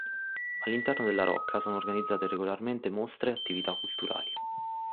All'interno della rocca sono organizzate regolarmente mostre e attività culturali.